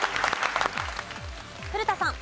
古田さん。